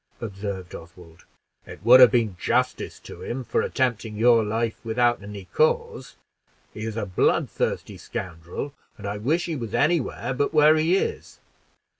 observed Oswald; "it would have been justice to him, for attempting your life without any cause; he is a bloodthirsty scoundrel, and I wish he was any where but where he is.